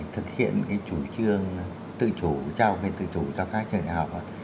thực hiện cái chủ trương tự chủ trao quyền tự chủ cho các trường đại học